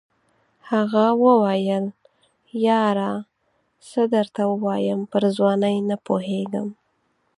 هغه وویل یاره څه درته ووایم پر ځوانۍ نه پوهېږم.